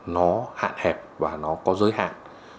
nó hạn hẹp và nó có giới hạn